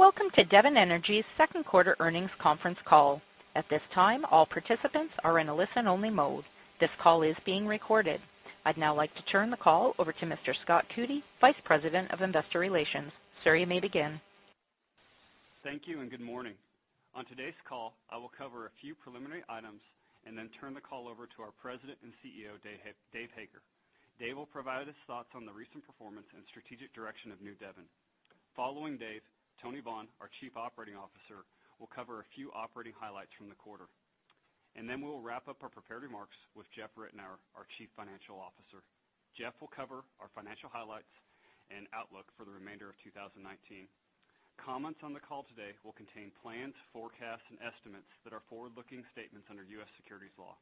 Welcome to Devon Energy's second quarter earnings conference call. At this time, all participants are in a listen-only mode. This call is being recorded. I'd now like to turn the call over to Mr. Scott Coody, Vice President of Investor Relations. Sir, you may begin. Thank you. Good morning. On today's call, I will cover a few preliminary items and then turn the call over to our President and CEO, Dave Hager. Dave will provide his thoughts on the recent performance and strategic direction of New Devon. Following Dave, Tony Vaughn, our Chief Operating Officer, will cover a few operating highlights from the quarter, and then we'll wrap up our prepared remarks with Jeff Ritenour, our Chief Financial Officer. Jeff will cover our financial highlights and outlook for the remainder of 2019. Comments on the call today will contain plans, forecasts, and estimates that are forward-looking statements under U.S. securities law.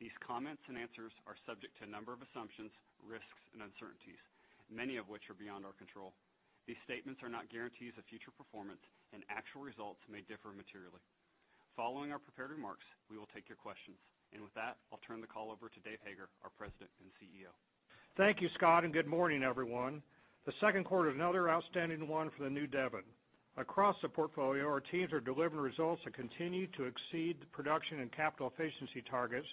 These comments and answers are subject to a number of assumptions, risks, and uncertainties, many of which are beyond our control. These statements are not guarantees of future performance, and actual results may differ materially. Following our prepared remarks, we will take your questions, and with that, I'll turn the call over to Dave Hager, our President and CEO. Thank you, Scott, and good morning, everyone. The second quarter is another outstanding one for the New Devon. Across the portfolio, our teams are delivering results that continue to exceed the production and capital efficiency targets,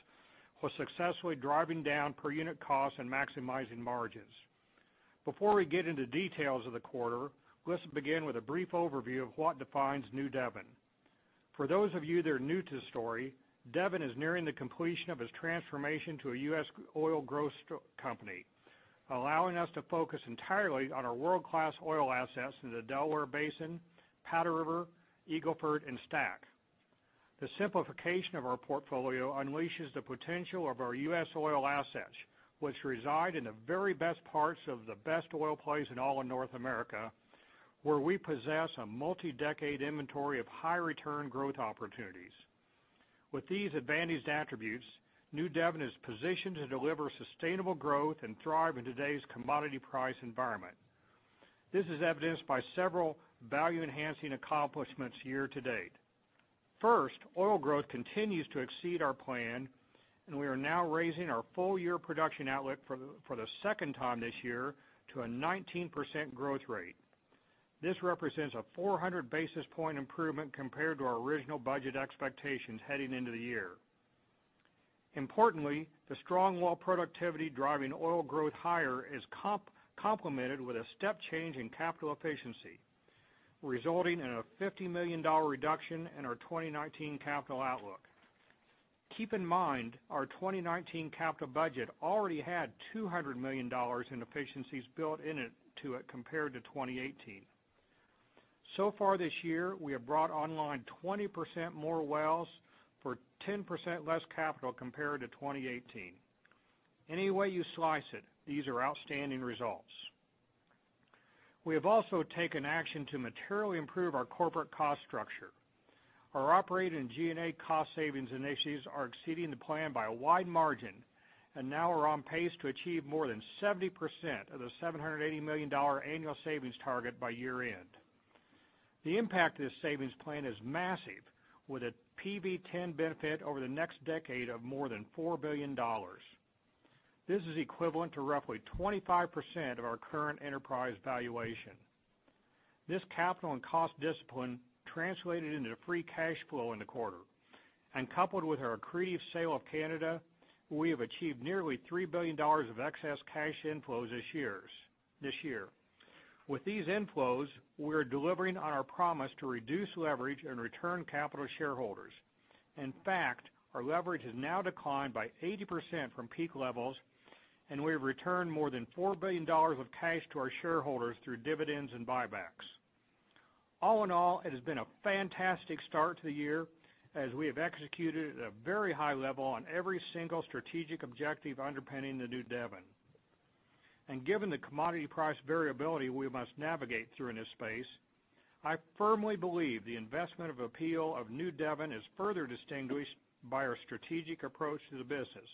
while successfully driving down per unit costs and maximizing margins. Before we get into details of the quarter, let's begin with a brief overview of what defines New Devon. For those of you that are new to the story, Devon is nearing the completion of its transformation to a U.S. oil growth company, allowing us to focus entirely on our world-class oil assets in the Delaware Basin, Powder River, Eagle Ford, and STACK. The simplification of our portfolio unleashes the potential of our U.S. oil assets, which reside in the very best parts of the best oil plays in all of North America, where we possess a multi-decade inventory of high-return growth opportunities. With these advantaged attributes, New Devon is positioned to deliver sustainable growth and thrive in today's commodity price environment. This is evidenced by several value-enhancing accomplishments year to date. First, oil growth continues to exceed our plan, and we are now raising our full-year production outlook for the second time this year to a 19% growth rate. This represents a 400-basis point improvement compared to our original budget expectations heading into the year. Importantly, the strong well productivity driving oil growth higher is complemented with a step change in capital efficiency, resulting in a $50 million reduction in our 2019 capital outlook. Keep in mind our 2019 capital budget already had $200 million in efficiencies built in it to it compared to 2018. So far this year, we have brought online 20% more wells for 10% less capital compared to 2018. Any way you slice it, these are outstanding results. We have also taken action to materially improve our corporate cost structure. Our operating G&A cost savings initiatives are exceeding the plan by a wide margin, and now we're on pace to achieve more than 70% of the $780 million annual savings target by year-end. The impact of this savings plan is massive, with a PV10 benefit over the next decade of more than $4 billion. This is equivalent to roughly 25% of our current enterprise valuation. Coupled with our accretive sale of Canada, we have achieved nearly $3 billion of excess cash inflows this year. With these inflows, we are delivering on our promise to reduce leverage and return capital to shareholders. In fact, our leverage has now declined by 80% from peak levels, and we have returned more than $4 billion of cash to our shareholders through dividends and buybacks. All in all, it has been a fantastic start to the year as we have executed at a very high level on every single strategic objective underpinning the New Devon. Given the commodity price variability we must navigate through in this space, I firmly believe the investment of appeal of New Devon is further distinguished by our strategic approach to the business.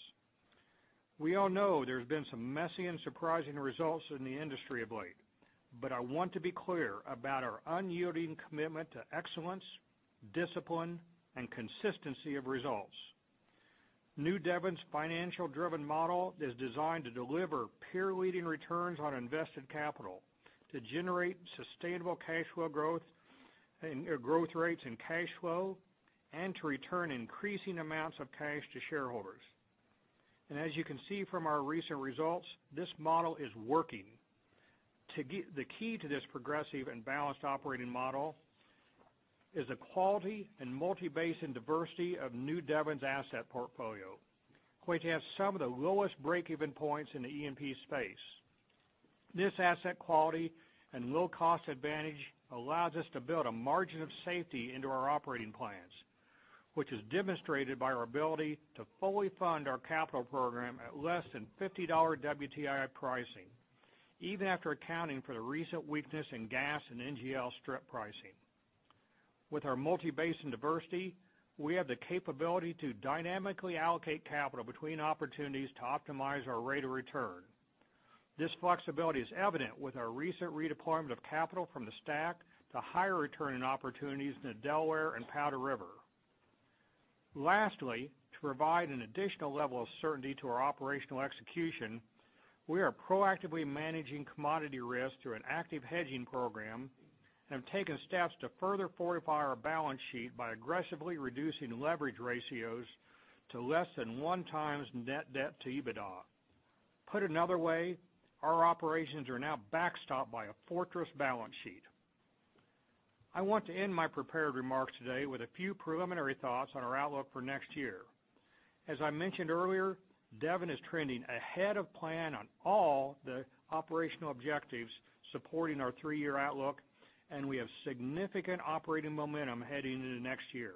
We all know there's been some messy and surprising results in the industry of late, but I want to be clear about our unyielding commitment to excellence, discipline, and consistency of results. New Devon's financial-driven model is designed to deliver peer-leading returns on invested capital, to generate sustainable cash flow growth and growth rates in cash flow, and to return increasing amounts of cash to shareholders. As you can see from our recent results, this model is working. The key to this progressive and balanced operating model is the quality and multi-basin diversity of New Devon's asset portfolio, which has some of the lowest break-even points in the E&P space. This asset quality and low-cost advantage allows us to build a margin of safety into our operating plans, which is demonstrated by our ability to fully fund our capital program at less than $50 WTI pricing, even after accounting for the recent weakness in gas and NGL strip pricing. With our multi-basin diversity, we have the capability to dynamically allocate capital between opportunities to optimize our rate of return. This flexibility is evident with our recent redeployment of capital from the STACK to higher return on opportunities in the Delaware and Powder River. Lastly, to provide an additional level of certainty to our operational execution, we are proactively managing commodity risk through an active hedging program and have taken steps to further fortify our balance sheet by aggressively reducing leverage ratios to less than one times net debt to EBITDA. Put another way, our operations are now backstopped by a fortress balance sheet. I want to end my prepared remarks today with a few preliminary thoughts on our outlook for next year. As I mentioned earlier, Devon is trending ahead of plan on all the operational objectives supporting our three-year outlook, and we have significant operating momentum heading into next year.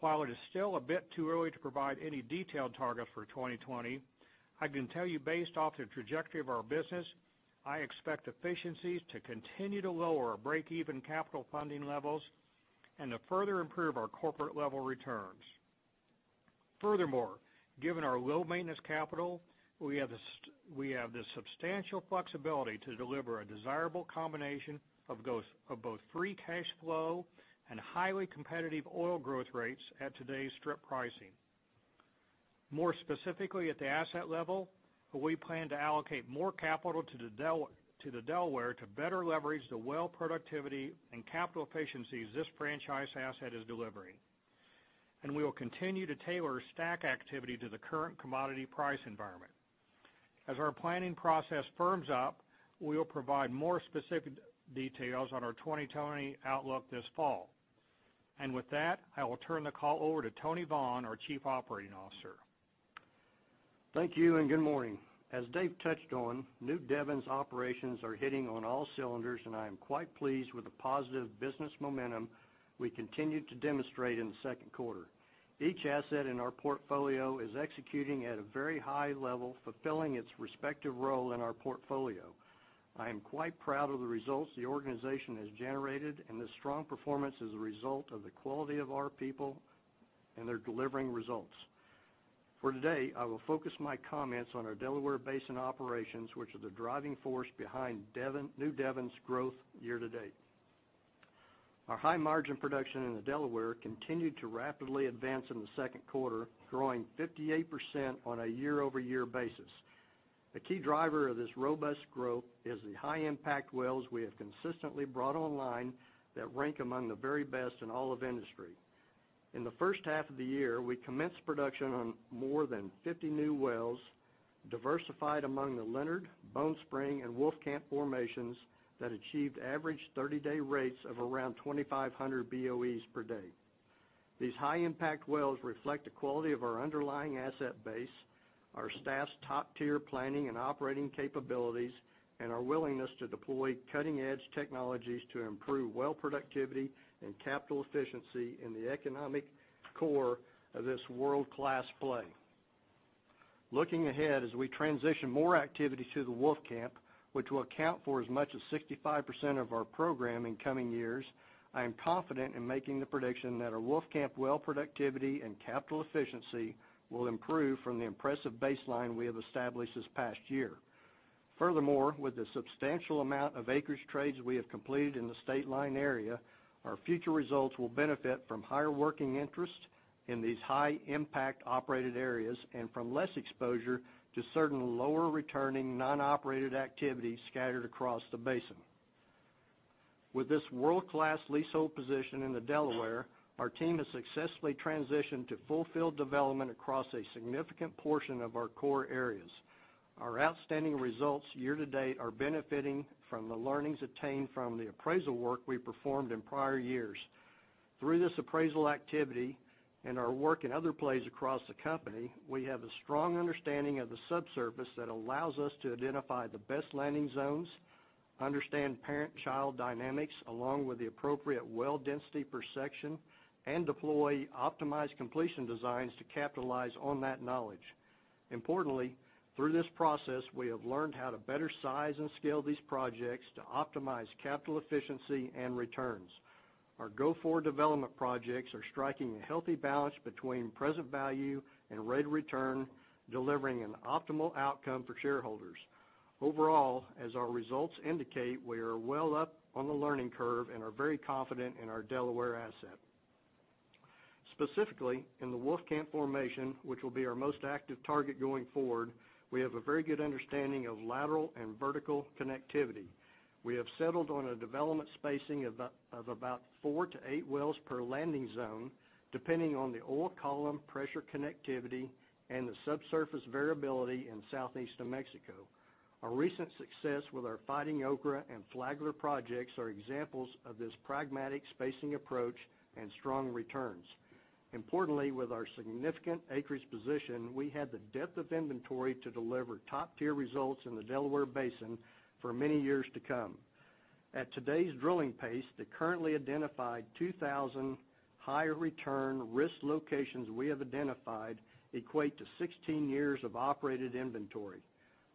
While it is still a bit too early to provide any detailed targets for 2020, I can tell you based off the trajectory of our business, I expect efficiencies to continue to lower our break-even capital funding levels and to further improve our corporate level returns. Given our low maintenance capital, we have the substantial flexibility to deliver a desirable combination of both free cash flow and highly competitive oil growth rates at today's strip pricing. More specifically at the asset level, we plan to allocate more capital to the Delaware to better leverage the well productivity and capital efficiencies this franchise asset is delivering. We will continue to tailor stack activity to the current commodity price environment. As our planning process firms up, we will provide more specific details on our 2020 outlook this fall. With that, I will turn the call over to Tony Vaughn, our Chief Operating Officer. Thank you, and good morning. As Dave touched on, New Devon's operations are hitting on all cylinders, and I am quite pleased with the positive business momentum we continue to demonstrate in the second quarter. Each asset in our portfolio is executing at a very high level, fulfilling its respective role in our portfolio. I am quite proud of the results the organization has generated, and this strong performance is a result of the quality of our people, and they're delivering results. For today, I will focus my comments on our Delaware Basin operations, which are the driving force behind New Devon's growth year to date. Our high margin production in the Delaware continued to rapidly advance in the second quarter, growing 58% on a year-over-year basis. The key driver of this robust growth is the high impact wells we have consistently brought online that rank among the very best in all of industry. In the first half of the year, we commenced production on more than 50 new wells, diversified among the Leonard, Bone Spring, and Wolfcamp formations that achieved average 30-day rates of around 2,500 BOEs per day. These high impact wells reflect the quality of our underlying asset base, our staff's top-tier planning and operating capabilities, and our willingness to deploy cutting-edge technologies to improve well productivity and capital efficiency in the economic core of this world-class play. Looking ahead, as we transition more activity to the Wolfcamp, which will account for as much as 65% of our program in coming years, I am confident in making the prediction that our Wolfcamp well productivity and capital efficiency will improve from the impressive baseline we have established this past year. Furthermore, with the substantial amount of acreage trades we have completed in the state line area, our future results will benefit from higher working interest in these high impact operated areas and from less exposure to certain lower returning non-operated activity scattered across the basin. With this world-class leasehold position in the Delaware, our team has successfully transitioned to fulfilled development across a significant portion of our core areas. Our outstanding results year to date are benefiting from the learnings obtained from the appraisal work we performed in prior years. Through this appraisal activity and our work in other plays across the company, we have a strong understanding of the subsurface that allows us to identify the best landing zones, understand parent-child dynamics, along with the appropriate well density per section, and deploy optimized completion designs to capitalize on that knowledge. Importantly, through this process, we have learned how to better size and scale these projects to optimize capital efficiency and returns. Our go-forward development projects are striking a healthy balance between present value and rate of return, delivering an optimal outcome for shareholders. Overall, as our results indicate, we are well up on the learning curve and are very confident in our Delaware asset. Specifically, in the Wolfcamp formation, which will be our most active target going forward, we have a very good understanding of lateral and vertical connectivity. We have settled on a development spacing of about four to eight wells per landing zone, depending on the oil column pressure connectivity and the subsurface variability in southeast New Mexico. Our recent success with our Fighting Ochre and Flagler projects are examples of this pragmatic spacing approach and strong returns. Importantly, with our significant acreage position, we have the depth of inventory to deliver top-tier results in the Delaware Basin for many years to come. At today's drilling pace, the currently identified 2,000 higher return risk locations we have identified equate to 16 years of operated inventory.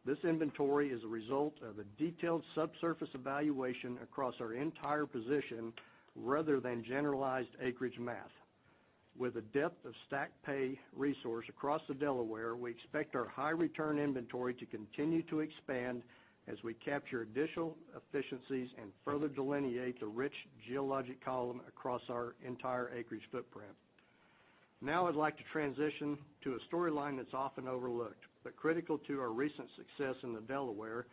This inventory is a result of a detailed subsurface evaluation across our entire position rather than generalized acreage math. With a depth of stack pay resource across the Delaware, we expect our high return inventory to continue to expand as we capture additional efficiencies and further delineate the rich geologic column across our entire acreage footprint. I'd like to transition to a storyline that's often overlooked, but critical to our recent success in the Delaware,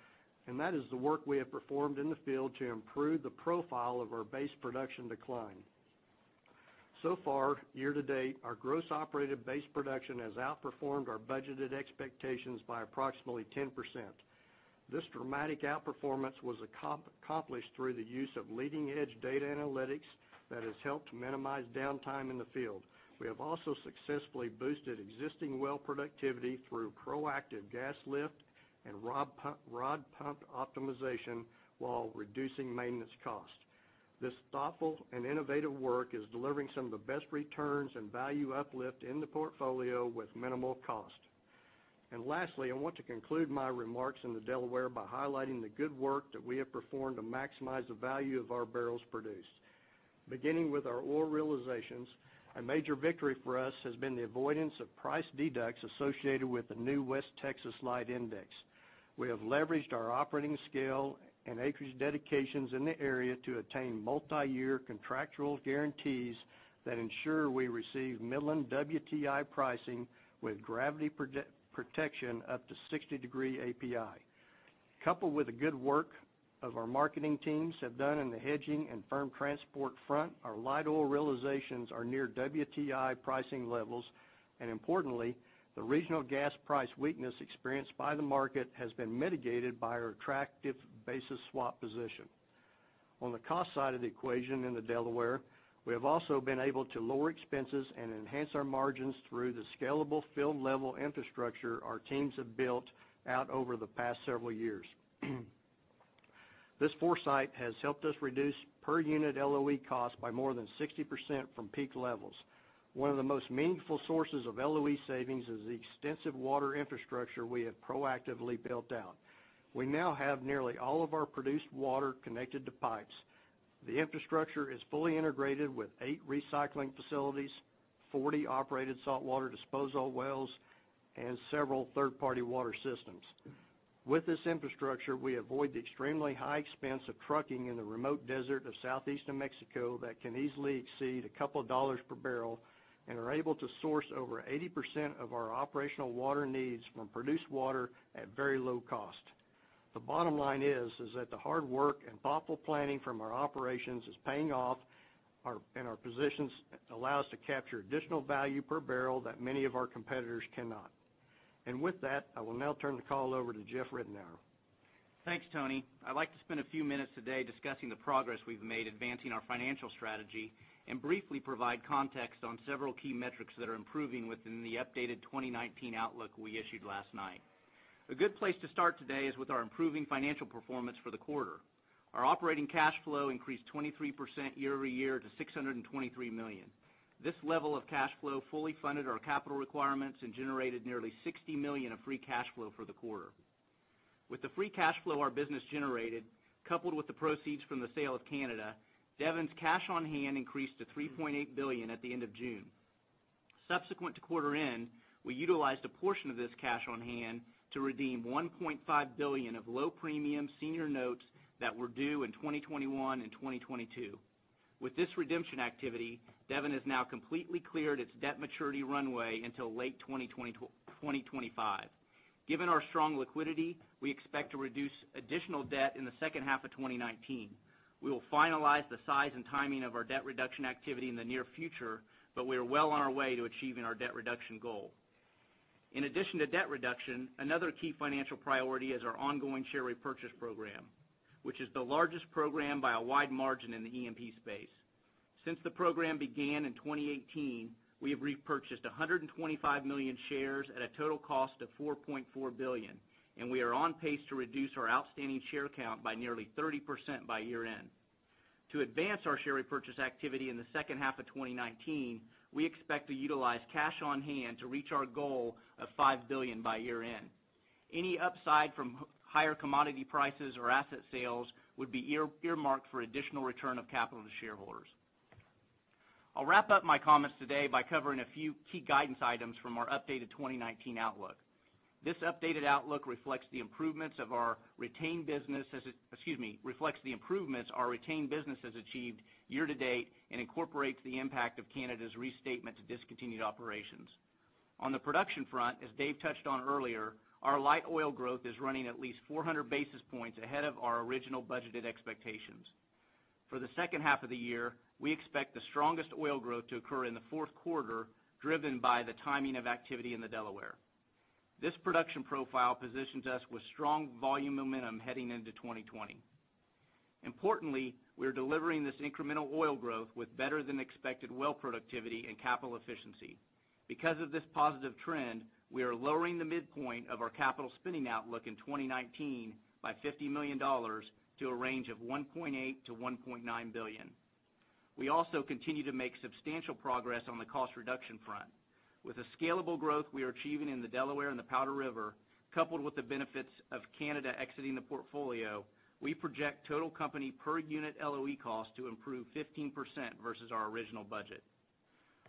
and that is the work we have performed in the field to improve the profile of our base production decline. So far, year to date, our gross operated base production has outperformed our budgeted expectations by approximately 10%. This dramatic outperformance was accomplished through the use of leading-edge data analytics that has helped minimize downtime in the field. We have also successfully boosted existing well productivity through proactive gas lift and rod pump optimization while reducing maintenance costs. This thoughtful and innovative work is delivering some of the best returns and value uplift in the portfolio with minimal cost. Lastly, I want to conclude my remarks in the Delaware by highlighting the good work that we have performed to maximize the value of our barrels produced. Beginning with our oil realizations, a major victory for us has been the avoidance of price deducts associated with the new West Texas Light index. We have leveraged our operating scale and acreage dedications in the area to attain multi-year contractual guarantees that ensure we receive Midland WTI pricing with gravity protection up to 60 degree API. Coupled with the good work of our marketing teams have done in the hedging and firm transport front, our light oil realizations are near WTI pricing levels, and importantly, the regional gas price weakness experienced by the market has been mitigated by our attractive basis swap position. On the cost side of the equation in the Delaware, we have also been able to lower expenses and enhance our margins through the scalable field-level infrastructure our teams have built out over the past several years. This foresight has helped us reduce per-unit LOE cost by more than 60% from peak levels. One of the most meaningful sources of LOE savings is the extensive water infrastructure we have proactively built out. We now have nearly all of our produced water connected to pipes. The infrastructure is fully integrated with eight recycling facilities, 40 operated saltwater disposal wells, and several third-party water systems. With this infrastructure, we avoid the extremely high expense of trucking in the remote desert of southeast New Mexico that can easily exceed a couple of dollars per barrel and are able to source over 80% of our operational water needs from produced water at very low cost. The bottom line is that the hard work and thoughtful planning from our operations is paying off and our positions allow us to capture additional value per barrel that many of our competitors cannot. With that, I will now turn the call over to Jeff Ritenour. Thanks, Tony. I'd like to spend a few minutes today discussing the progress we've made advancing our financial strategy and briefly provide context on several key metrics that are improving within the updated 2019 outlook we issued last night. A good place to start today is with our improving financial performance for the quarter. Our operating cash flow increased 23% year-over-year to $623 million. This level of cash flow fully funded our capital requirements and generated nearly $60 million of free cash flow for the quarter. With the free cash flow our business generated, coupled with the proceeds from the sale of Canada, Devon's cash on hand increased to $3.8 billion at the end of June. Subsequent to quarter end, we utilized a portion of this cash on hand to redeem $1.5 billion of low-premium senior notes that were due in 2021 and 2022. With this redemption activity, Devon has now completely cleared its debt maturity runway until late 2025. Given our strong liquidity, we expect to reduce additional debt in the second half of 2019. We will finalize the size and timing of our debt reduction activity in the near future, but we are well on our way to achieving our debt reduction goal. In addition to debt reduction, another key financial priority is our ongoing share repurchase program, which is the largest program by a wide margin in the E&P space. Since the program began in 2018, we have repurchased 125 million shares at a total cost of $4.4 billion, and we are on pace to reduce our outstanding share count by nearly 30% by year end. To advance our share repurchase activity in the second half of 2019, we expect to utilize cash on hand to reach our goal of $5 billion by year end. Any upside from higher commodity prices or asset sales would be earmarked for additional return of capital to shareholders. I'll wrap up my comments today by covering a few key guidance items from our updated 2019 outlook. This updated outlook reflects the improvements of our retained businesses achieved year to date and incorporates the impact of Canada's restatement to discontinued operations. On the production front, as Dave touched on earlier, our light oil growth is running at least 400 basis points ahead of our original budgeted expectations. For the second half of the year, we expect the strongest oil growth to occur in the fourth quarter, driven by the timing of activity in the Delaware. This production profile positions us with strong volume momentum heading into 2020. Importantly, we're delivering this incremental oil growth with better than expected well productivity and capital efficiency. Because of this positive trend, we are lowering the midpoint of our capital spending outlook in 2019 by $50 million to a range of $1.8 billion-$1.9 billion. We also continue to make substantial progress on the cost reduction front. With the scalable growth we are achieving in the Delaware and the Powder River, coupled with the benefits of Canada exiting the portfolio, we project total company per unit LOE cost to improve 15% versus our original budget.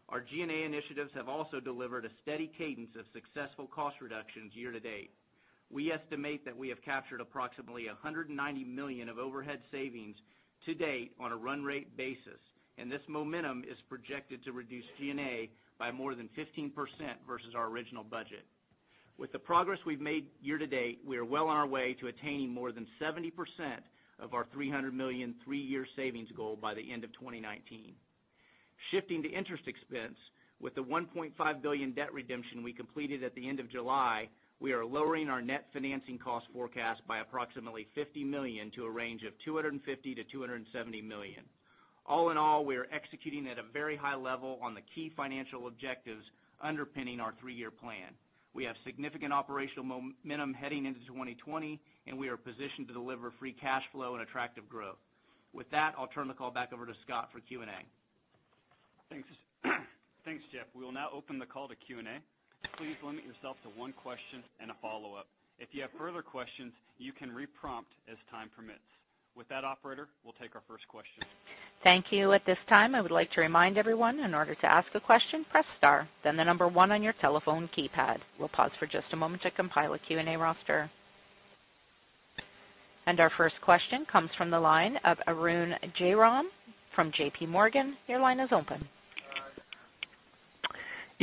Our G&A initiatives have also delivered a steady cadence of successful cost reductions year to date. We estimate that we have captured approximately $190 million of overhead savings to date on a run rate basis, and this momentum is projected to reduce G&A by more than 15% versus our original budget. With the progress we've made year-to-date, we are well on our way to attaining more than 70% of our $300 million three-year savings goal by the end of 2019. Shifting to interest expense, with the $1.5 billion debt redemption we completed at the end of July, we are lowering our net financing cost forecast by approximately $50 million to a range of $250 million-$270 million. All in all, we are executing at a very high level on the key financial objectives underpinning our three-year plan. We have significant operational momentum heading into 2020, and we are positioned to deliver free cash flow and attractive growth. With that, I'll turn the call back over to Scott for Q&A. Thanks. Thanks, Jeff. We will now open the call to Q&A. Please limit yourself to one question and a follow-up. If you have further questions, you can re-prompt as time permits. With that, operator, we'll take our first question. Thank you. At this time, I would like to remind everyone, in order to ask a question, press star, then the number one on your telephone keypad. We'll pause for just a moment to compile a Q&A roster. Our first question comes from the line of Arun Jayaram from J.P. Morgan. Your line is open.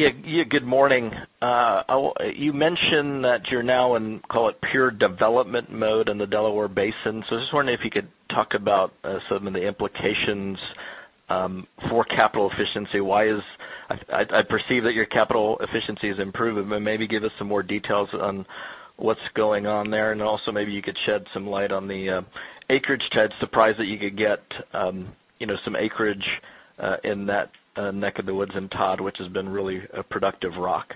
Yeah. Good morning. You mentioned that you're now in, call it pure development mode in the Delaware Basin. I just wonder if you could talk about some of the implications for capital efficiency. I perceive that your capital efficiency is improving, but maybe give us some more details on what's going on there. Also maybe you could shed some light on the acreage. Ted's surprised that you could get some acreage in that neck of the woods in Todd, which has been really a productive rock.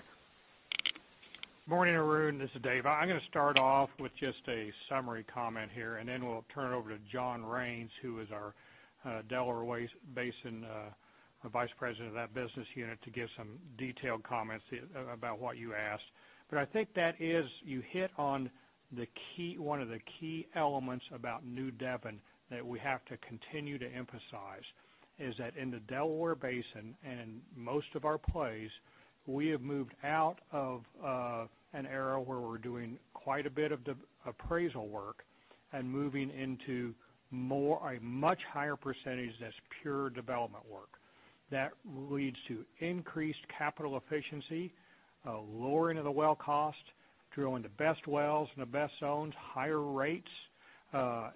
Morning, Arun. This is Dave. I'm going to start off with just a summary comment here, and then we'll turn it over to John Raines, who is our Delaware Basin Vice President of that business unit, to give some detailed comments about what you asked. I think that you hit on one of the key elements about New Devon that we have to continue to emphasize, is that in the Delaware Basin, and in most of our plays, we have moved out of an era where we're doing quite a bit of appraisal work and moving into a much higher percentage that's pure development work. That leads to increased capital efficiency, a lowering of the well cost, drilling the best wells in the best zones, higher rates.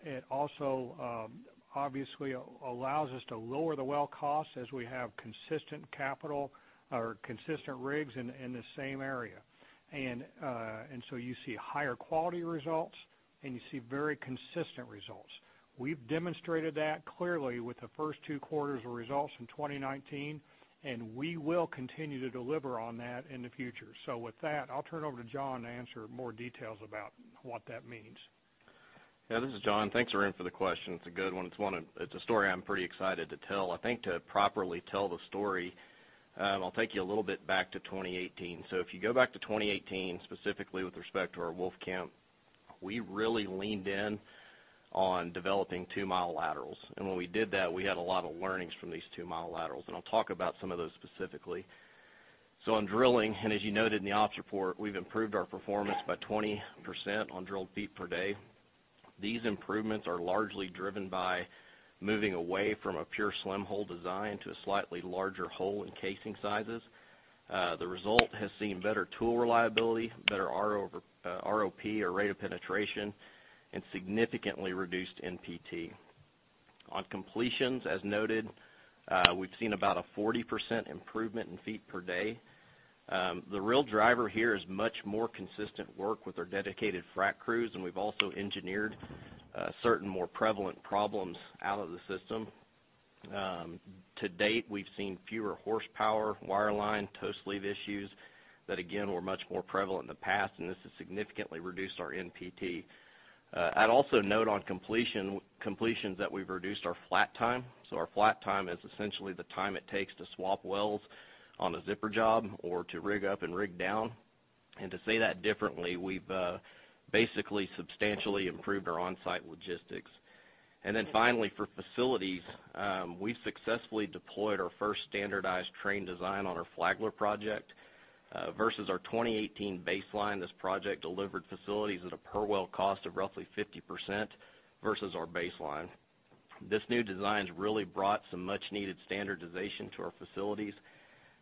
It also obviously allows us to lower the well cost as we have consistent capital or consistent rigs in the same area. You see higher quality results, and you see very consistent results. We've demonstrated that clearly with the first two quarters of results in 2019, and we will continue to deliver on that in the future. With that, I'll turn it over to John to answer more details about what that means. Yeah, this is John. Thanks, Arun, for the question. It's a good one. It's a story I'm pretty excited to tell. I think to properly tell the story, I'll take you a little bit back to 2018. If you go back to 2018, specifically with respect to our Wolfcamp, we really leaned in on developing two-mile laterals. When we did that, we had a lot of learnings from these two-mile laterals. I'll talk about some of those specifically. On drilling, and as you noted in the ops report, we've improved our performance by 20% on drilled feet per day. These improvements are largely driven by moving away from a pure slim hole design to a slightly larger hole in casing sizes. The result has seen better tool reliability, better ROP or rate of penetration, and significantly reduced NPT. On completions, as noted, we've seen about a 40% improvement in feet per day. The real driver here is much more consistent work with our dedicated frack crews, and we've also engineered certain more prevalent problems out of the system. To date, we've seen fewer horsepower, wire line, toe sleeve issues that again, were much more prevalent in the past, and this has significantly reduced our NPT. I'd also note on completions that we've reduced our flat time. Our flat time is essentially the time it takes to swap wells on a zipper job or to rig up and rig down. To say that differently, we've basically substantially improved our on-site logistics. Finally, for facilities, we've successfully deployed our first standardized train design on our Flagler project. Versus our 2018 baseline, this project delivered facilities at a per well cost of roughly 50% versus our baseline. This new design's really brought some much needed standardization to our facilities.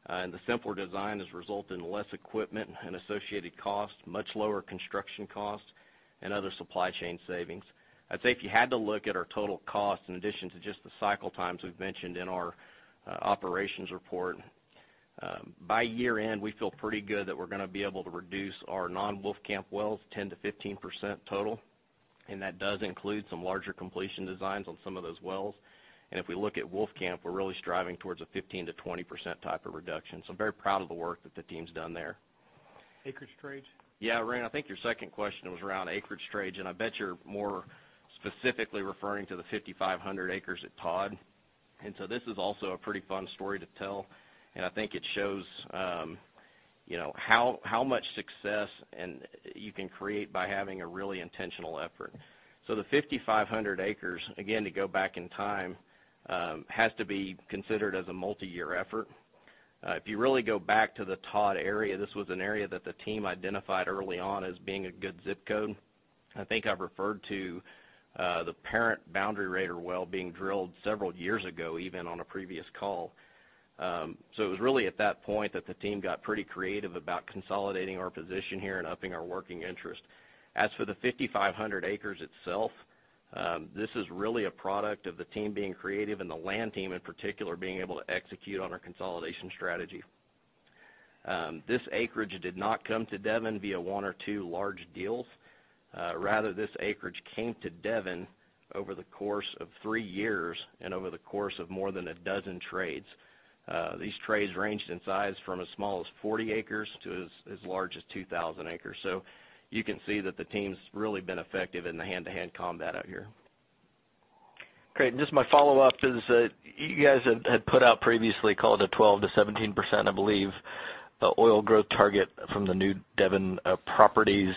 The simpler design has resulted in less equipment and associated costs, much lower construction costs, and other supply chain savings. I'd say if you had to look at our total costs, in addition to just the cycle times we've mentioned in our operations report. By year-end, we feel pretty good that we're going to be able to reduce our non-Wolfcamp wells 10%-15% total, and that does include some larger completion designs on some of those wells. If we look at Wolfcamp, we're really striving towards a 15%-20% type of reduction. Very proud of the work that the team's done there. Acreage trades? Yeah, Arun, I think your second question was around acreage trades, and I bet you're more specifically referring to the 5,500 acres at Todd. This is also a pretty fun story to tell, and I think it shows how much success you can create by having a really intentional effort. The 5,500 acres, again, to go back in time, has to be considered as a multi-year effort. If you really go back to the Todd area, this was an area that the team identified early on as being a good ZIP code. I think I've referred to the parent boundary Rader well being drilled several years ago, even on a previous call. It was really at that point that the team got pretty creative about consolidating our position here and upping our working interest. As for the 5,500 acres itself, this is really a product of the team being creative and the land team in particular, being able to execute on our consolidation strategy. This acreage did not come to Devon via one or two large deals. Rather, this acreage came to Devon over the course of three years and over the course of more than a dozen trades. These trades ranged in size from as small as 40 acres to as large as 2,000 acres. You can see that the team's really been effective in the hand-to-hand combat out here. Great. Just my follow-up is, you guys had put out previously, called it a 12%-17%, I believe, oil growth target from the New Devon properties.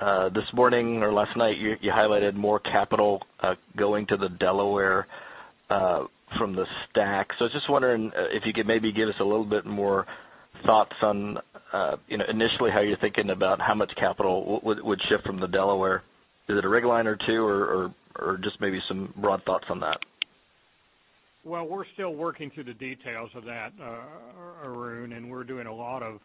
This morning or last night, you highlighted more capital going to the Delaware from the STACK. I was just wondering if you could maybe give us a little bit more thoughts on initially how you're thinking about how much capital would shift from the Delaware. Is it a rig line or two, or just maybe some broad thoughts on that? Well, we're still working through the details of that, Arun, we're doing a lot of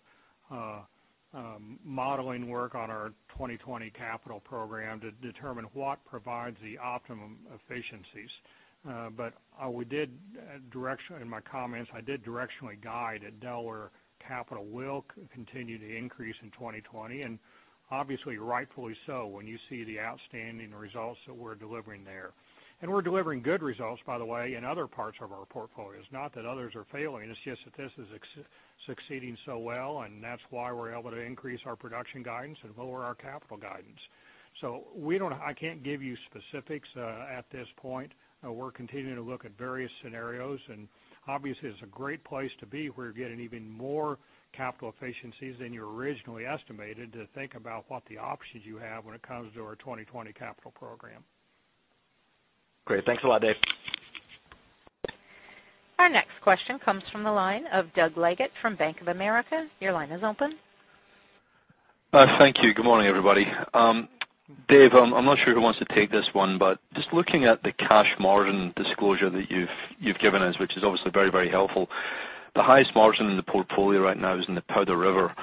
modeling work on our 2020 capital program to determine what provides the optimum efficiencies. In my comments, I did directionally guide that Delaware capital will continue to increase in 2020, obviously rightfully so, when you see the outstanding results that we're delivering there. We're delivering good results, by the way, in other parts of our portfolios. Not that others are failing, it's just that this is succeeding so well, and that's why we're able to increase our production guidance and lower our capital guidance. I can't give you specifics at this point. We're continuing to look at various scenarios, obviously, it's a great place to be. We're getting even more capital efficiencies than you originally estimated to think about what the options you have when it comes to our 2020 capital program. Great. Thanks a lot, Dave. Our next question comes from the line of Doug Leggate from Bank of America. Your line is open. Thank you. Good morning, everybody. Dave, I'm not sure who wants to take this one, but just looking at the cash margin disclosure that you've given us, which is obviously very helpful. The highest margin in the portfolio right now is in the Powder River.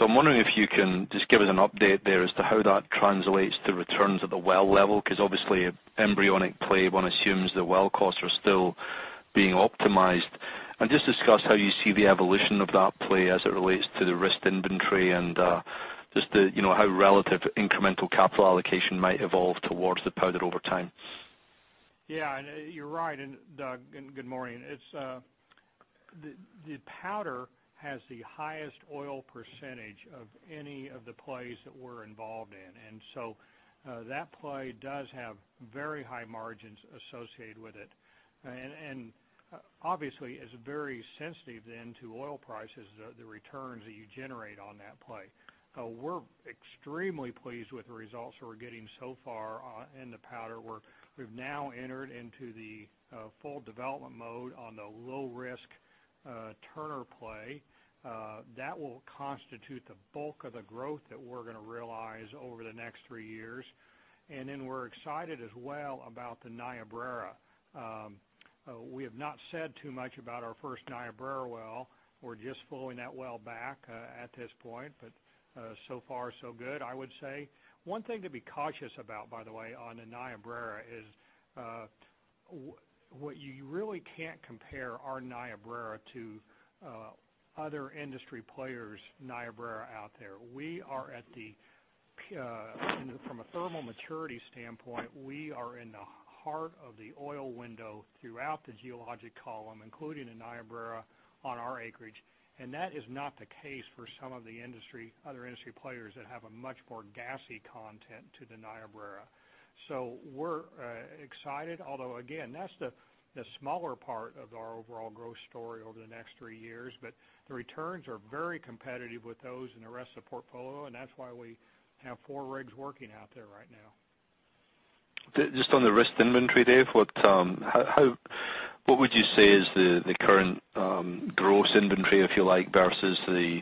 I'm wondering if you can just give us an update there as to how that translates to returns at the well level, because obviously embryonic play, one assumes the well costs are still being optimized. Just discuss how you see the evolution of that play as it relates to the risked inventory and just how relative incremental capital allocation might evolve towards the Powder over time. Yeah, you're right, Doug, good morning. The Powder has the highest oil % of any of the plays that we're involved in, that play does have very high margins associated with it. Obviously, it's very sensitive then to oil prices, the returns that you generate on that play. We're extremely pleased with the results that we're getting so far in the Powder. We've now entered into the full development mode on the low-risk Turner play. That will constitute the bulk of the growth that we're going to realize over the next three years. We're excited as well about the Niobrara. We have not said too much about our first Niobrara well. We're just flowing that well back at this point, but so far so good, I would say. One thing to be cautious about, by the way, on the Niobrara is, what you really can't compare our Niobrara to other industry players' Niobrara out there. From a thermal maturity standpoint, we are in the heart of the oil window throughout the geologic column, including the Niobrara on our acreage, and that is not the case for some of the other industry players that have a much more gassy content to the Niobrara. We're excited, although again, that's the smaller part of our overall growth story over the next three years. The returns are very competitive with those in the rest of the portfolio, and that's why we have four rigs working out there right now. Just on the risked inventory, Dave, what would you say is the current gross inventory, if you like, versus the,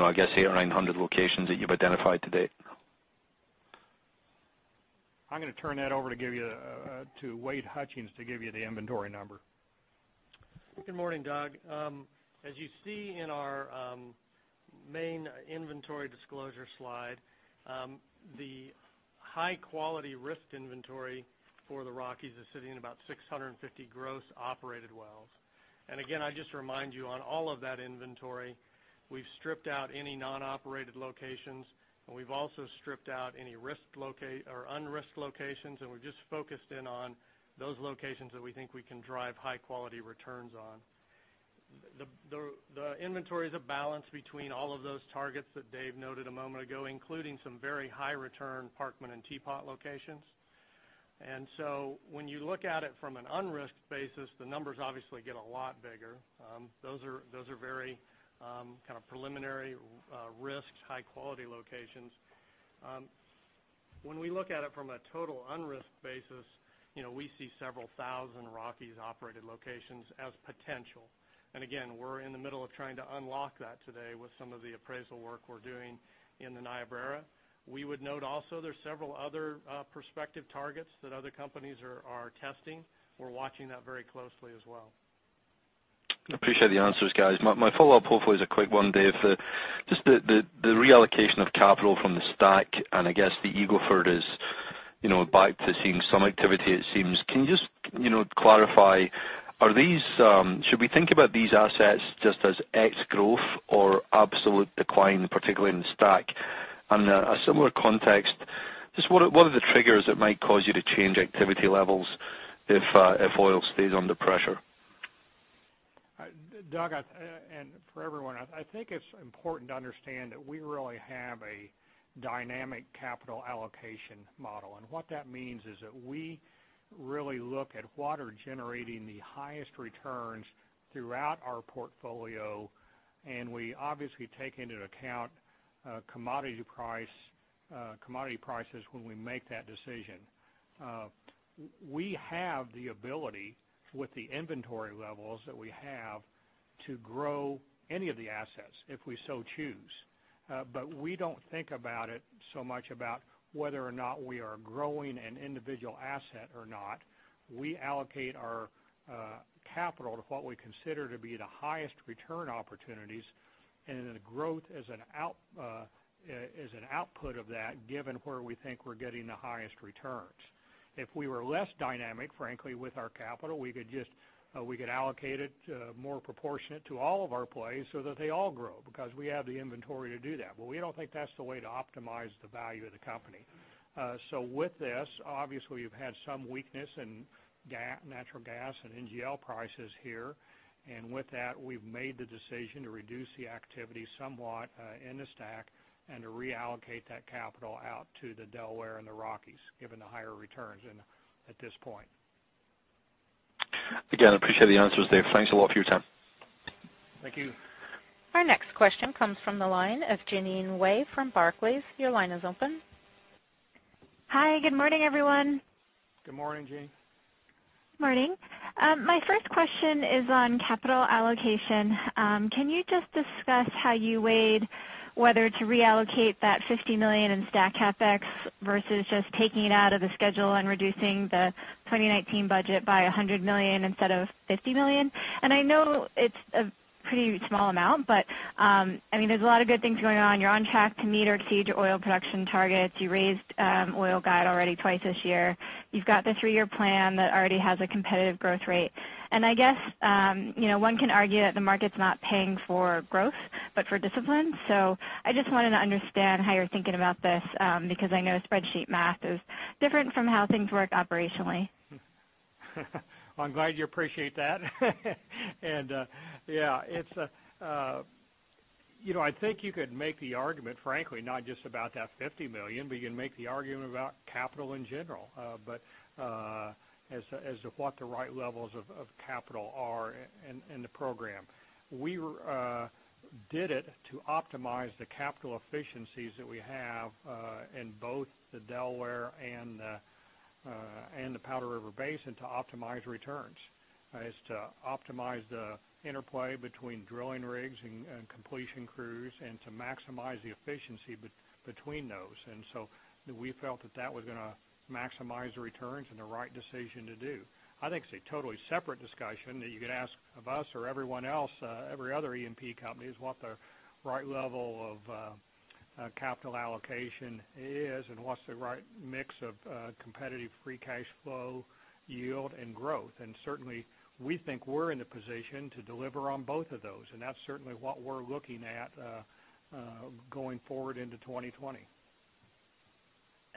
I guess, eight or 900 locations that you've identified to date? I'm going to turn that over to Wade Hutchins to give you the inventory number. Good morning, Doug. As you see in our main inventory disclosure slide, the high-quality risked inventory for the Rockies is sitting at about 650 gross operated wells. Again, I'd just remind you, on all of that inventory, we've stripped out any non-operated locations, and we've also stripped out any unrisked locations, and we've just focused in on those locations that we think we can drive high-quality returns on. The inventory is a balance between all of those targets that Dave noted a moment ago, including some very high return Parkman and Teapot locations. When you look at it from an unrisked basis, the numbers obviously get a lot bigger. Those are very preliminary risked high-quality locations. When we look at it from a total unrisked basis, we see several thousand Rockies-operated locations as potential. Again, we're in the middle of trying to unlock that today with some of the appraisal work we're doing in the Niobrara. We would note also there's several other prospective targets that other companies are testing. We're watching that very closely as well. I appreciate the answers, guys. My follow-up hopefully is a quick one, Dave. Just the reallocation of capital from the STACK, and I guess the Eagle Ford is back to seeing some activity, it seems. Can you just clarify, should we think about these assets just as ex-growth or absolute decline, particularly in the STACK? On a similar context, just what are the triggers that might cause you to change activity levels if oil stays under pressure? Doug, and for everyone, I think it's important to understand that we really have a dynamic capital allocation model, and what that means is that we really look at what are generating the highest returns throughout our portfolio, and we obviously take into account commodity prices when we make that decision. We have the ability, with the inventory levels that we have, to grow any of the assets if we so choose. But we don't think about it so much about whether or not we are growing an individual asset or not. We allocate our capital to what we consider to be the highest return opportunities, and then the growth is an output of that, given where we think we're getting the highest returns. If we were less dynamic, frankly, with our capital, we could allocate it more proportionate to all of our plays so that they all grow, because we have the inventory to do that. We don't think that's the way to optimize the value of the company. With this, obviously, we've had some weakness in natural gas and NGL prices here. With that, we've made the decision to reduce the activity somewhat in the STACK and to reallocate that capital out to the Delaware and the Rockies, given the higher returns at this point. Appreciate the answers, Dave. Thanks a lot for your time. Thank you. Our next question comes from the line of Jeanine Wai from Barclays. Your line is open. Hi, good morning, everyone. Good morning, Jeanine. Morning. My first question is on capital allocation. Can you just discuss how you weighed whether to reallocate that $50 million in STACK CapEx versus just taking it out of the schedule and reducing the 2019 budget by $100 million instead of $50 million? I know it's a pretty small amount, but there's a lot of good things going on. You're on track to meet or exceed your oil production targets. You raised oil guide already twice this year. You've got the three-year plan that already has a competitive growth rate. I guess one can argue that the market's not paying for growth, but for discipline. I just wanted to understand how you're thinking about this, because I know spreadsheet math is different from how things work operationally. Well, I'm glad you appreciate that. Yeah, I think you could make the argument, frankly, not just about that $50 million, but you can make the argument about capital in general. As to what the right levels of capital are in the program. We did it to optimize the capital efficiencies that we have in both the Delaware and the Powder River Basin to optimize returns. It's to optimize the interplay between drilling rigs and completion crews, and to maximize the efficiency between those. We felt that that was going to maximize the returns and the right decision to do. I think it's a totally separate discussion that you could ask of us or everyone else, every other E&P company, is what the right level of capital allocation is, and what's the right mix of competitive free cash flow yield and growth. Certainly, we think we're in a position to deliver on both of those, and that's certainly what we're looking at going forward into 2020.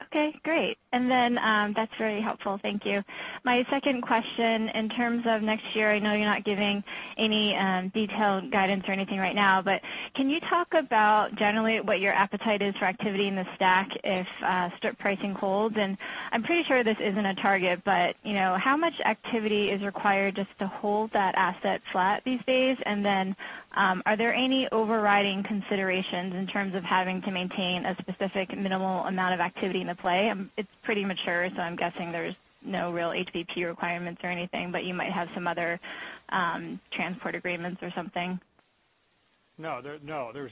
Okay, great. That's very helpful. Thank you. My second question, in terms of next year, I know you're not giving any detailed guidance or anything right now, but can you talk about generally what your appetite is for activity in the STACK if strip pricing holds? I'm pretty sure this isn't a target, but how much activity is required just to hold that asset flat these days? Are there any overriding considerations in terms of having to maintain a specific minimal amount of activity in the play? It's pretty mature, so I'm guessing there's no real HBP requirements or anything, but you might have some other transport agreements or something. No. There's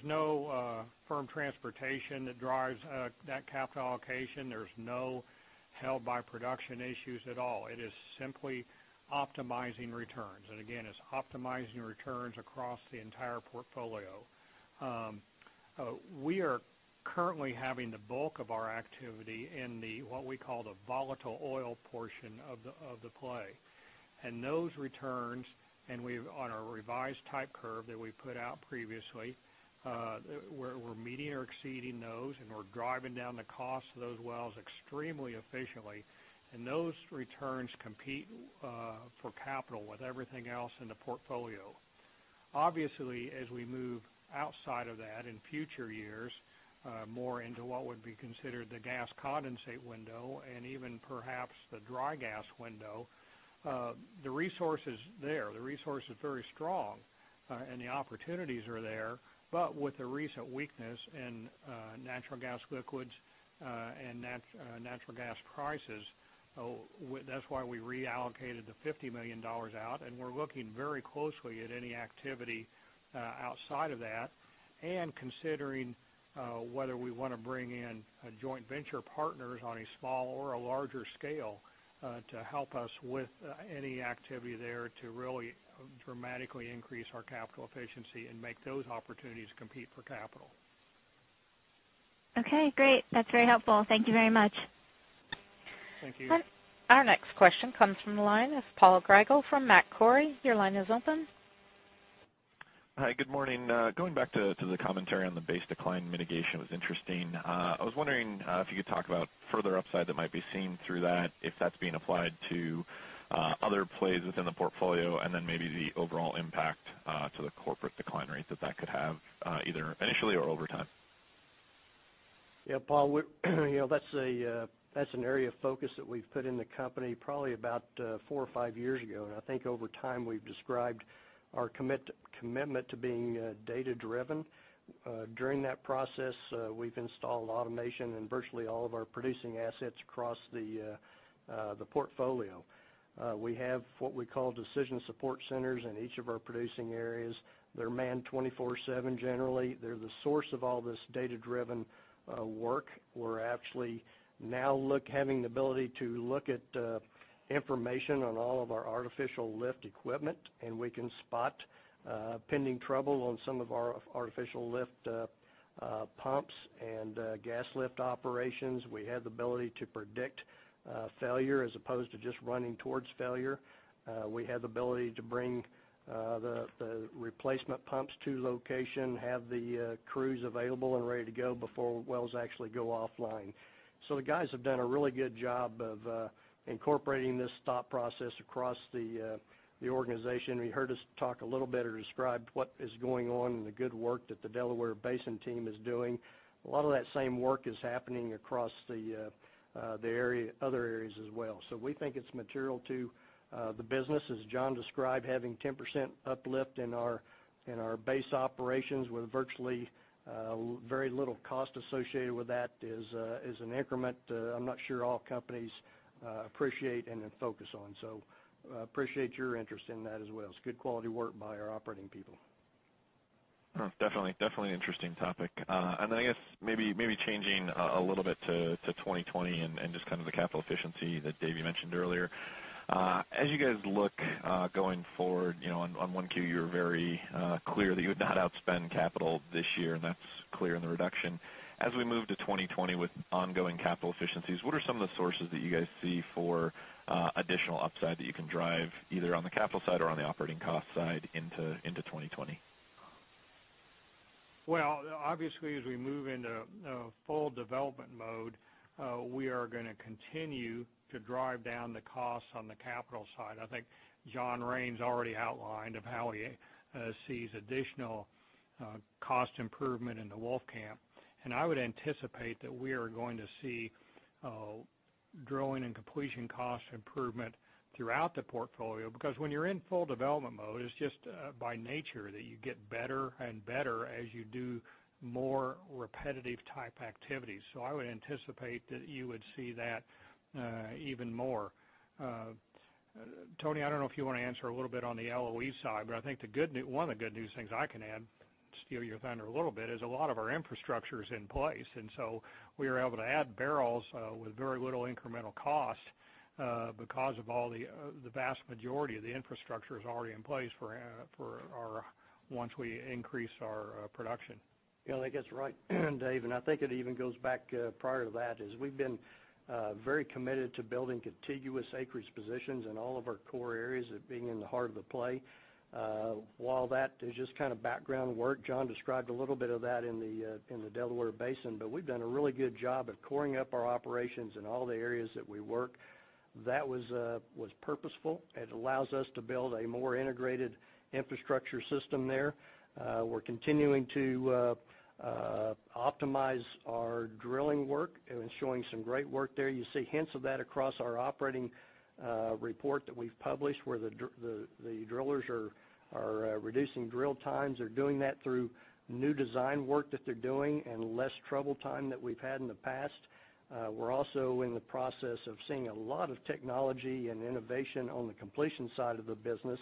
no firm transportation that drives that capital allocation. There's no held by production issues at all. It is simply optimizing returns. Again, it's optimizing returns across the entire portfolio. We are currently having the bulk of our activity in what we call the volatile oil portion of the play. Those returns, and on our revised type curve that we put out previously, we're meeting or exceeding those, and we're driving down the cost of those wells extremely efficiently. Those returns compete for capital with everything else in the portfolio. Obviously, as we move outside of that in future years, more into what would be considered the gas condensate window and even perhaps the dry gas window, the resource is there. The resource is very strong and the opportunities are there. With the recent weakness in natural gas liquids and natural gas prices, that's why we reallocated the $50 million out, and we're looking very closely at any activity outside of that, and considering whether we want to bring in joint venture partners on a small or a larger scale to help us with any activity there to really dramatically increase our capital efficiency and make those opportunities compete for capital. Okay, great. That's very helpful. Thank you very much. Thank you. Our next question comes from the line of Paul Grigel from Macquarie. Your line is open. Hi, good morning. Going back to the commentary on the base decline mitigation was interesting. I was wondering if you could talk about further upside that might be seen through that, if that's being applied to other plays within the portfolio, and then maybe the overall impact to the corporate decline rates that could have, either initially or over time. Yeah, Paul, that's an area of focus that we've put in the company probably about four or five years ago. I think over time, we've described our commitment to being data-driven. During that process, we've installed automation in virtually all of our producing assets across the portfolio. We have what we call decision support centers in each of our producing areas. They're manned 24/7, generally. They're the source of all this data-driven work. We're actually now having the ability to look at information on all of our artificial lift equipment, and we can spot pending trouble on some of our artificial lift pumps and gas lift operations. We have the ability to predict failure as opposed to just running towards failure. We have the ability to bring the replacement pumps to location, have the crews available and ready to go before wells actually go offline. The guys have done a really good job of incorporating this thought process across the organization. You heard us talk a little bit or describe what is going on and the good work that the Delaware Basin team is doing. A lot of that same work is happening across the other areas as well. We think it's material to the business. As John described, having 10% uplift in our base operations with virtually very little cost associated with that is an increment I'm not sure all companies appreciate and then focus on. Appreciate your interest in that as well. It's good quality work by our operating people. Definitely an interesting topic. Then I guess maybe changing a little bit to 2020 and just the capital efficiency that Dave, you mentioned earlier. As you guys look going forward, on 1Q, you were very clear that you would not outspend capital this year, and that's clear in the reduction. As we move to 2020 with ongoing capital efficiencies, what are some of the sources that you guys see for additional upside that you can drive either on the capital side or on the operating cost side into 2020? Well, obviously, as we move into full development mode, we are going to continue to drive down the costs on the capital side. I think John Raines already outlined of how he sees additional cost improvement in the Wolfcamp. I would anticipate that we are going to see drilling and completion cost improvement throughout the portfolio, because when you're in full development mode, it's just by nature that you get better and better as you do more repetitive type activities. I would anticipate that you would see that even more. Tony, I don't know if you want to answer a little bit on the LOE side, but I think one of the good news things I can add, steal your thunder a little bit, is a lot of our infrastructure is in place, and so we are able to add barrels with very little incremental cost because of all the vast majority of the infrastructure is already in place for once we increase our production. Yeah, I think that's right, Dave. I think it even goes back prior to that, is we've been very committed to building contiguous acreage positions in all of our core areas of being in the heart of the play. While that is just background work, John described a little bit of that in the Delaware Basin, but we've done a really good job of coring up our operations in all the areas that we work. That was purposeful. It allows us to build a more integrated infrastructure system there. We're continuing to optimize our drilling work and showing some great work there. You see hints of that across our operating report that we've published, where the drillers are reducing drill times. They're doing that through new design work that they're doing and less trouble time than we've had in the past. We're also in the process of seeing a lot of technology and innovation on the completion side of the business.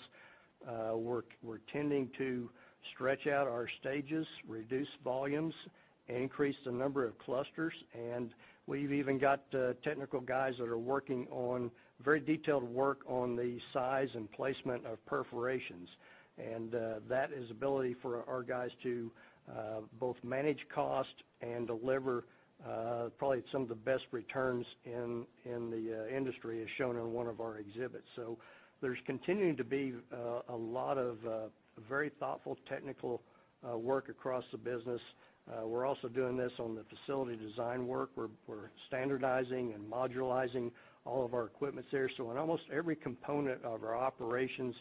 We're tending to stretch out our stages, reduce volumes, increase the number of clusters, and we've even got technical guys that are working on very detailed work on the size and placement of perforations. That is ability for our guys to both manage cost and deliver probably some of the best returns in the industry, as shown in one of our exhibits. There's continuing to be a lot of very thoughtful technical work across the business. We're also doing this on the facility design work. We're standardizing and modularizing all of our equipment there. In almost every component of our operations,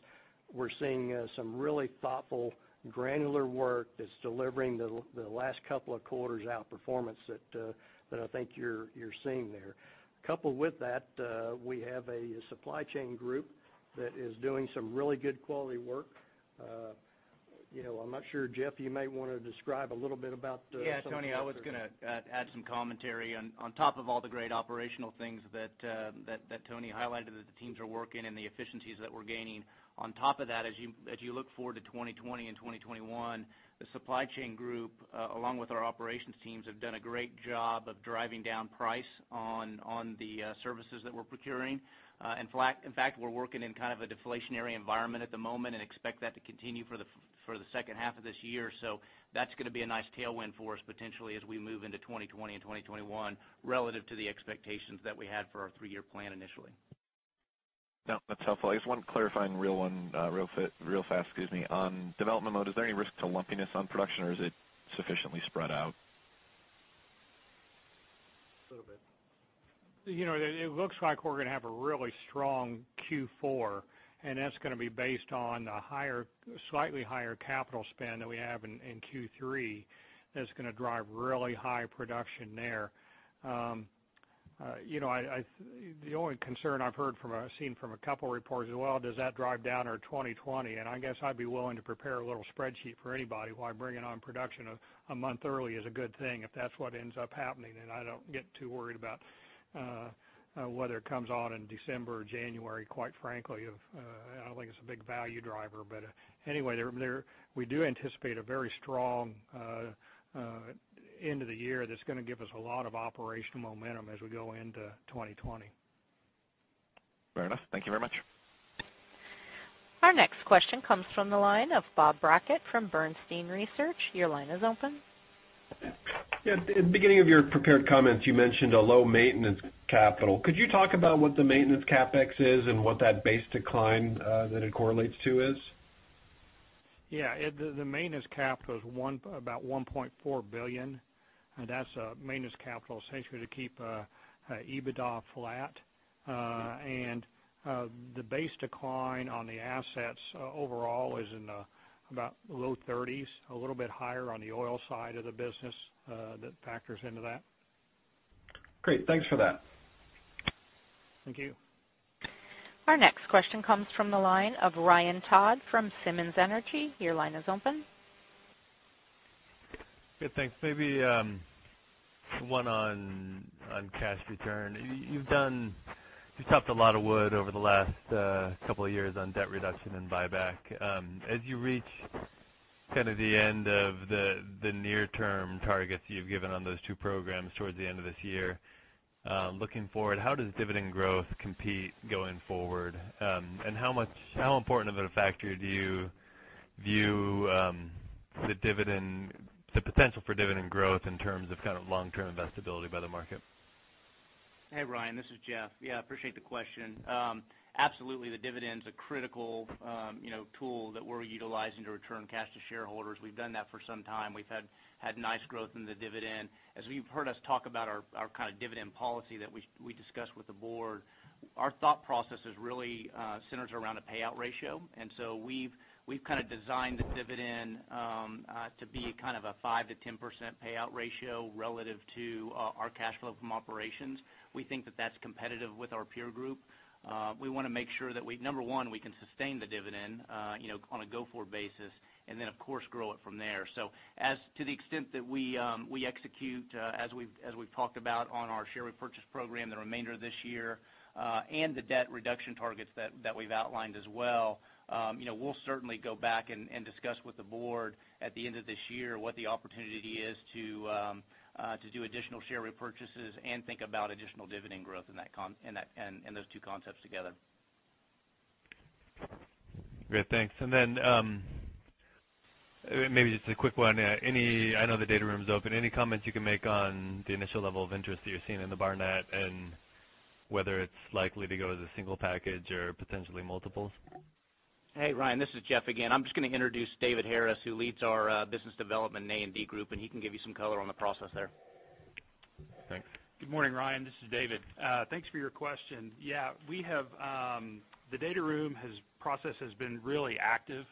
we're seeing some really thoughtful, granular work that's delivering the last couple of quarters outperformance that I think you're seeing there. Coupled with that, we have a supply chain group that is doing some really good quality work. I'm not sure, Jeff, you may want to describe a little bit about the. Tony, I was going to add some commentary on top of all the great operational things that Tony highlighted that the teams are working and the efficiencies that we're gaining. On top of that, as you look forward to 2020 and 2021, the supply chain group, along with our operations teams, have done a great job of driving down price on the services that we're procuring. In fact, we're working in a deflationary environment at the moment and expect that to continue for the second half of this year. That's going to be a nice tailwind for us potentially as we move into 2020 and 2021 relative to the expectations that we had for our three-year plan initially. No, that's helpful. I just want to clarify one real fast, excuse me. On development mode, is there any risk to lumpiness on production, or is it sufficiently spread out? A little bit. It looks like we're going to have a really strong Q4, and that's going to be based on a slightly higher capital spend than we have in Q3. That's going to drive really high production there. The only concern I've seen from a couple reports is, well, does that drive down our 2020? I guess I'd be willing to prepare a little spreadsheet for anybody why bringing on production a month early is a good thing if that's what ends up happening, and I don't get too worried about whether it comes on in December or January, quite frankly. I don't think it's a big value driver. Anyway, we do anticipate a very strong end of the year that's going to give us a lot of operational momentum as we go into 2020. Fair enough. Thank you very much. Our next question comes from the line of Bob Brackett from Bernstein Research. Your line is open. Yeah. At the beginning of your prepared comments, you mentioned a low maintenance capital. Could you talk about what the maintenance CapEx is and what that base decline that it correlates to is? Yeah. The maintenance capital is about $1.4 billion, and that's a maintenance capital essentially to keep EBITDA flat. The base decline on the assets overall is in about the low 30s, a little bit higher on the oil side of the business that factors into that. Great. Thanks for that. Thank you. Our next question comes from the line of Ryan Todd from Simmons Energy. Your line is open. Good. Thanks. Maybe one on cash return. You've chopped a lot of wood over the last couple of years on debt reduction and buyback. As you reach the end of the near-term targets you've given on those two programs towards the end of this year, looking forward, how does dividend growth compete going forward? How important of a factor do you view the potential for dividend growth in terms of long-term investability by the market? Hey, Ryan. This is Jeff. Yeah, I appreciate the question. Absolutely, the dividend's a critical tool that we're utilizing to return cash to shareholders. We've done that for some time. We've had nice growth in the dividend. As you've heard us talk about our kind of dividend policy that we discussed with the board, our thought process really centers around a payout ratio. We've kind of designed the dividend to be a 5%-10% payout ratio relative to our cash flow from operations. We think that that's competitive with our peer group. We want to make sure that, number 1, we can sustain the dividend on a go-forward basis, and then, of course, grow it from there. As to the extent that we execute as we've talked about on our share repurchase program the remainder of this year, and the debt reduction targets that we've outlined as well, we'll certainly go back and discuss with the board at the end of this year what the opportunity is to do additional share repurchases and think about additional dividend growth and those two concepts together. Great. Thanks. Maybe just a quick one. I know the data room's open. Any comments you can make on the initial level of interest that you're seeing in the Barnett, and whether it's likely to go as a single package or potentially multiples? Hey, Ryan, this is Jeff again. I'm just going to introduce David Harris, who leads our business development and A&D group, and he can give you some color on the process there. Thanks. Good morning, Ryan. This is David. Thanks for your question. Yeah, the data room process has been really active.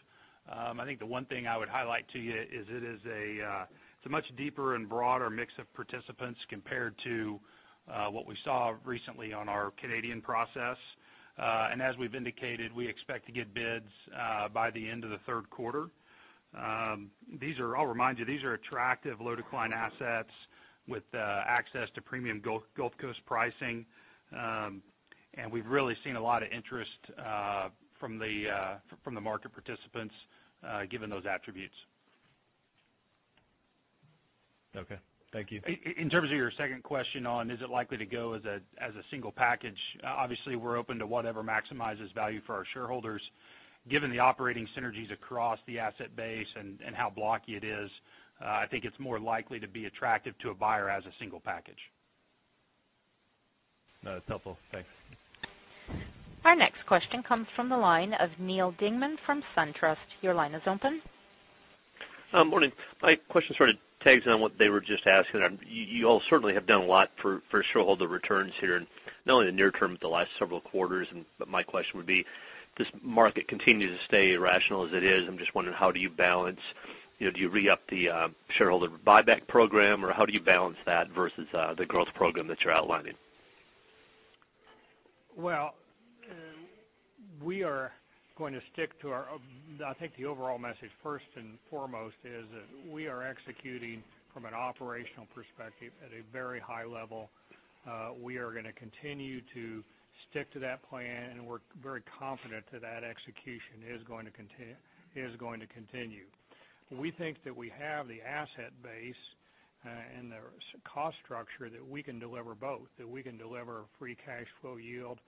I think the one thing I would highlight to you is it is a much deeper and broader mix of participants compared to what we saw recently on our Canadian process. As we've indicated, we expect to get bids by the end of the third quarter. I'll remind you, these are attractive low decline assets with access to premium Gulf Coast pricing. We've really seen a lot of interest from the market participants given those attributes. Okay. Thank you. In terms of your second question on is it likely to go as a single package, obviously we're open to whatever maximizes value for our shareholders. Given the operating synergies across the asset base and how blocky it is, I think it's more likely to be attractive to a buyer as a single package. That's helpful. Thanks. Our next question comes from the line of Neal Dingmann from SunTrust. Your line is open. Morning. My question sort of tags on what they were just asking. You all certainly have done a lot for shareholder returns here, not only in the near term, but the last several quarters. My question would be, does this market continue to stay irrational as it is? I'm just wondering how do you balance, do you re-up the shareholder buyback program, or how do you balance that versus the growth program that you're outlining? Well, we are going to stick to I think the overall message, first and foremost, is that we are executing from an operational perspective at a very high level. We are going to continue to stick to that plan, and we're very confident that that execution is going to continue. We think that we have the asset base and the cost structure that we can deliver both, that we can deliver free cash flow yield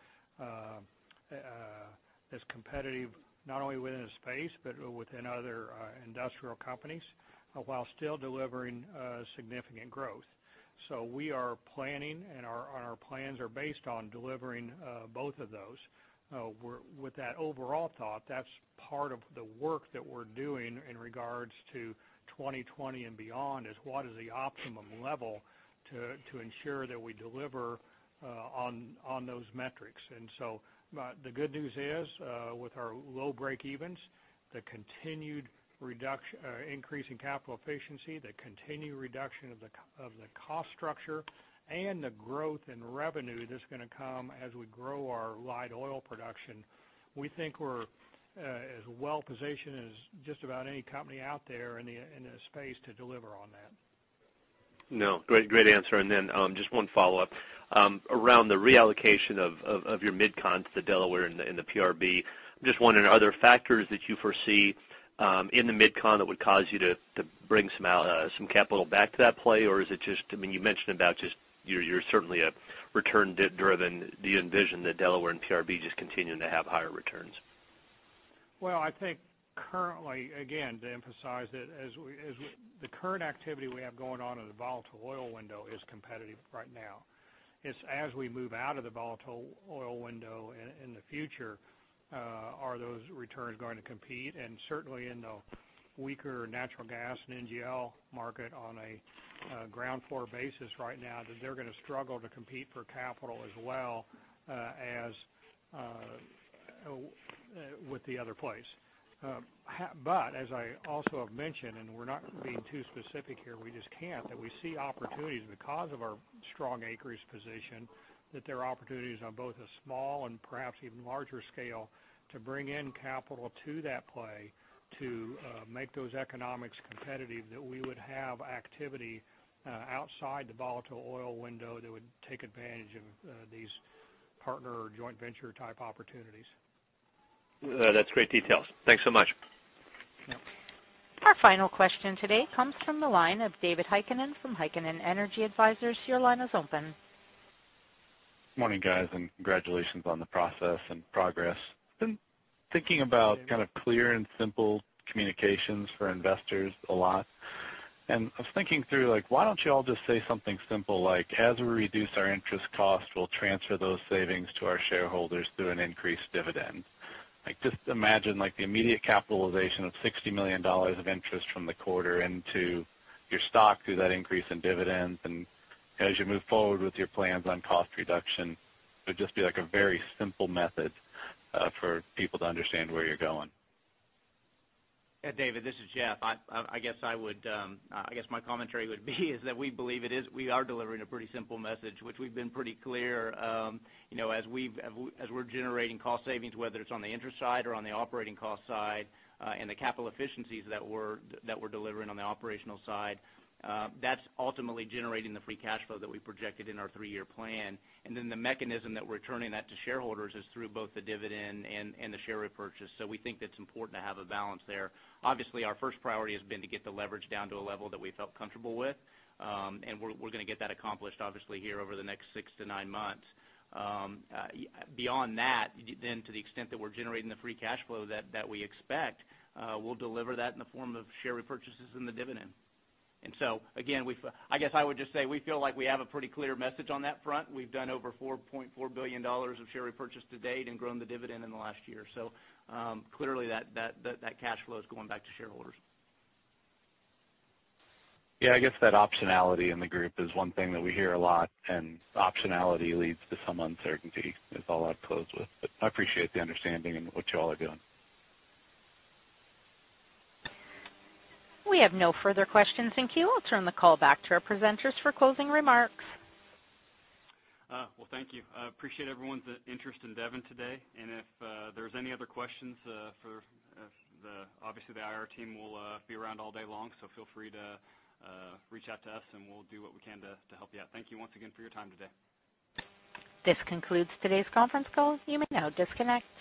that's competitive, not only within the space but within other industrial companies, while still delivering significant growth. We are planning, and our plans are based on delivering both of those. With that overall thought, that's part of the work that we're doing in regards to 2020 and beyond, is what is the optimum level to ensure that we deliver on those metrics. The good news is, with our low breakevens, the continued increase in capital efficiency, the continued reduction of the cost structure, and the growth in revenue that's going to come as we grow our light oil production, we think we're as well-positioned as just about any company out there in the space to deliver on that. No, great answer. Just one follow-up. Around the reallocation of your MidCons to Delaware and the PRB, I'm just wondering, are there factors that you foresee in the MidCon that would cause you to bring some capital back to that play? Is it just, you mentioned about just you're certainly return driven. Do you envision that Delaware and PRB just continuing to have higher returns? Well, I think currently, again, to emphasize that the current activity we have going on in the volatile oil window is competitive right now. It's as we move out of the volatile oil window in the future, are those returns going to compete? Certainly in the weaker natural gas and NGL market on a ground floor basis right now, that they're going to struggle to compete for capital as well as with the other plays. As I also have mentioned, and we're not being too specific here, we just can't, that we see opportunities because of our strong acreage position, that there are opportunities on both a small and perhaps even larger scale to bring in capital to that play to make those economics competitive, that we would have activity outside the volatile oil window that would take advantage of these partner joint venture type opportunities. That's great details. Thanks so much. Yep. Our final question today comes from the line of David Heikkinen from Heikkinen Energy Advisors. Your line is open. Morning, guys. Congratulations on the process and progress. I've been thinking about clear and simple communications for investors a lot, and I was thinking through, why don't you all just say something simple like, "As we reduce our interest cost, we'll transfer those savings to our shareholders through an increased dividend." Just imagine the immediate capitalization of $60 million of interest from the quarter into your stock through that increase in dividends. As you move forward with your plans on cost reduction, it would just be a very simple method for people to understand where you're going. Yeah, David, this is Jeff. I guess my commentary would be is that we believe we are delivering a pretty simple message, which we've been pretty clear. We're generating cost savings, whether it's on the interest side or on the operating cost side, and the capital efficiencies that we're delivering on the operational side, that's ultimately generating the free cash flow that we projected in our three-year plan. The mechanism that we're returning that to shareholders is through both the dividend and the share repurchase. We think that's important to have a balance there. Obviously, our first priority has been to get the leverage down to a level that we felt comfortable with. We're going to get that accomplished, obviously, here over the next six to nine months. Beyond that, to the extent that we're generating the free cash flow that we expect, we'll deliver that in the form of share repurchases and the dividend. Again, I guess I would just say we feel like we have a pretty clear message on that front. We've done over $4.4 billion of share repurchase to date and grown the dividend in the last year. Clearly that cash flow is going back to shareholders. Yeah, I guess that optionality in the group is one thing that we hear a lot, and optionality leads to some uncertainty, is all I'd close with. I appreciate the understanding in what you all are doing. We have no further questions in queue. I'll turn the call back to our presenters for closing remarks. Well, thank you. I appreciate everyone's interest in Devon today. If there's any other questions, obviously the IR team will be around all day long, so feel free to reach out to us, and we'll do what we can to help you out. Thank you once again for your time today. This concludes today's conference call. You may now disconnect.